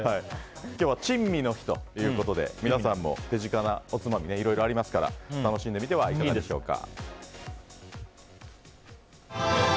今日は珍味の日ということで皆さんも手近なおつまみいろいろありますから楽しんでみてはいかがでしょうか。